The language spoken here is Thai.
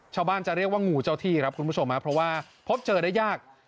ชาวบ้านจะเรียกว่างูเจ้าที่ครับคุณผู้ชมเพราะว่าพบเจอได้ยาก